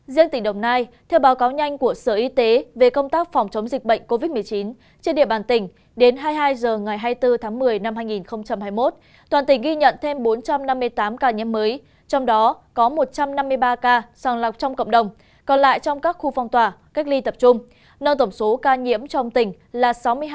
riêng tỉnh đồng nai theo báo cáo nhanh của sở y tế về công tác phòng chống dịch covid một mươi chín trên địa bàn tỉnh đến hai mươi hai h ngày hai mươi bốn tháng một mươi năm hai nghìn hai mươi một toàn tỉnh ghi nhận thêm bốn trăm năm mươi tám ca nhiễm mới trong đó có một trăm năm mươi ba ca sàng lọc trong cộng đồng còn lại trong các khu phong tỏa cách ly tập trung nâng tổng số ca nhiễm trong tỉnh là sáu mươi hai hai mươi năm